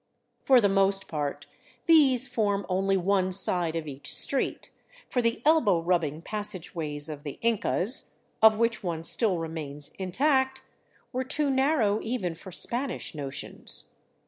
For the most part these form only one side of each street, for the elbow rubbing passageways of the Incas, of which one still remains intact, were too narrow even for Spanish notions.